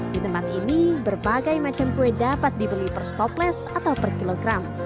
di tempat ini berbagai macam kue dapat dibeli per stopless atau per kilogram